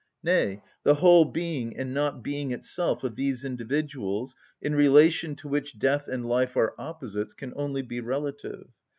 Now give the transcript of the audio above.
Nay, the whole being and not being itself of these individuals, in relation to which death and life are opposites, can only be relative.